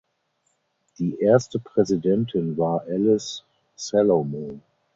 Die erste Präsidentin war Alice Salomon.